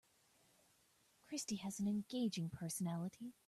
Christy has an engaging personality.